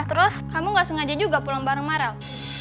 terus kamu nggak sengaja juga pulang bareng meryl